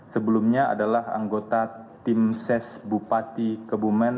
sebelumnya adalah anggota tim ses bupati kebumen